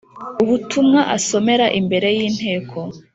Ubutumwa asomera imbere y inteko